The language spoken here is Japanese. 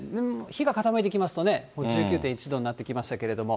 日が傾いてきますとね、１９．１度になってきましたけれども。